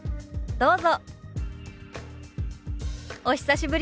どうぞ。